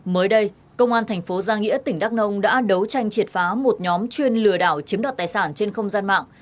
mới đây công an thành phố giang nghĩa tỉnh đắk nông đã đấu tranh triệt phá một nhóm chuyên lừa đảo chiếm đoạt tài sản trên không gian mạng